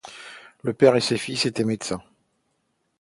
Le père et ses fils étaient médecins.